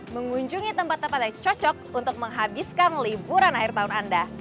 mengunjungi tempat tempat yang cocok untuk menghabiskan liburan akhir tahun anda